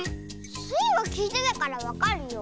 スイはきいてたからわかるよ。